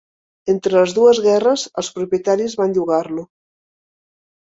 Entre les dues guerres els propietaris van llogar-lo.